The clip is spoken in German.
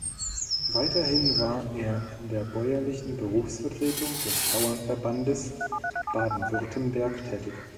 Weiterhin war er in der bäuerlichen Berufsvertretung des Bauernverbandes Baden-Württemberg tätig.